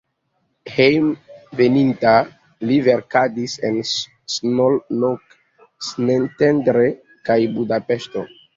Hejmenveninta li verkadis en Szolnok, Szentendre kaj Budapeŝto.